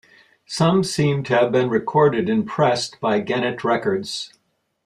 Some seem to have been recorded and pressed by Gennett Records.